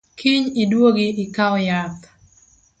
Kiny iduogi ikaw yath